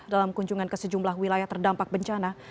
dalam kunjungan ke sejumlah wilayah terdampak bencana